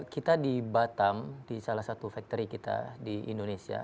kita di batam di salah satu factory kita di indonesia